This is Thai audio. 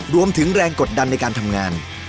รวมถึงแรงกดดันในการทำงาน